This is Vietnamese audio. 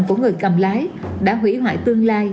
của người cầm lái đã hủy hoại tương lai